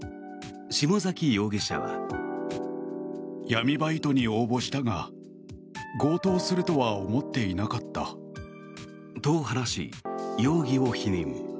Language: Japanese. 下崎容疑者は。と話し、容疑を否認。